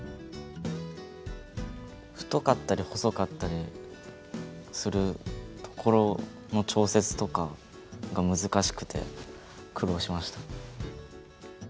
太かったり細かったりするところの調節とかが難しくて苦労しました。